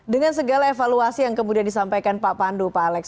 dengan segala evaluasi yang kemudian disampaikan pak pandu pak alex